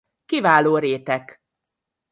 Kiváló rétek.